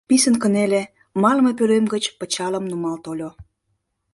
Писын кынеле, малыме пӧлем гыч пычалым нумал тольо.